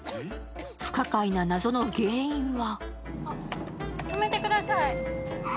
不可解な謎の原因は。